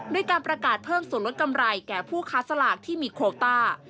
ด้วยการประกาศเพิ่มส่วนลดกำไรแก่ผู้ค้าสลากที่มีโคต้า